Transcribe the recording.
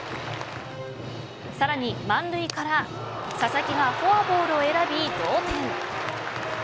さらに満塁から佐々木がフォアボールを選び同点。